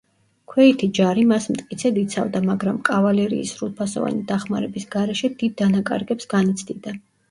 ქვეითი ჯარი მას მტკიცედ იცავდა, მაგრამ კავალერიის სრულფასოვანი დახმარების გარეშე დიდ დანაკარგებს განიცდიდა.